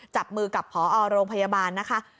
จับมือกับพอโรงพยาบาลนะคะ